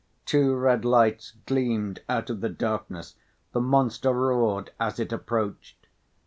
Two red lights gleamed out of the darkness; the monster roared as it approached.